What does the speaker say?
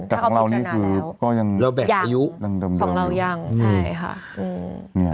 แต่ของเรานี่คือยังดำเดิมของเรายังใช่ค่ะ